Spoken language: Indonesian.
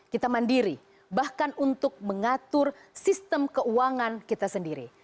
kita mandiri bahkan untuk mengatur sistem keuangan kita sendiri